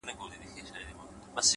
وخت د بې پروایۍ قیمت اخلي؛